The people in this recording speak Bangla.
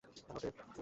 Hello, Dave.